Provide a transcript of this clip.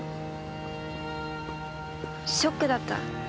ショックだった。